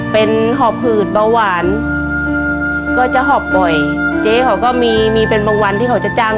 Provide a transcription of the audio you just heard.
เป็นหอบหืดเบาหวานก็จะหอบบ่อยเจ๊เขาก็มีมีเป็นบางวันที่เขาจะจ้าง